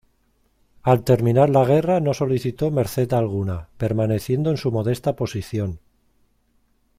Al terminar la guerra no solicitó merced alguna, permaneciendo en su modesta posición.